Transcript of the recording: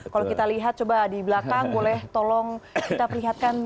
kalau kita lihat coba di belakang boleh tolong kita perlihatkan